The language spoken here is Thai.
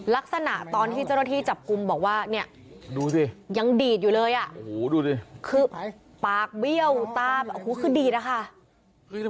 ลักษณะตอนที่เจ้าหน้าที่จับกุมบอกว่ายังดีดอยู่เลยคือปากเบี้ยวตาคือดีดละค่ะ